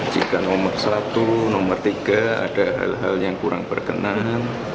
jika nomor satu nomor tiga ada hal hal yang kurang berkenan